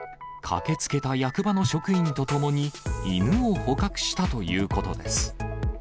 駆けつけた役場の職員と共に、犬を捕獲したということです。